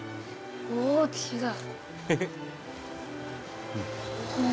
おおー違う！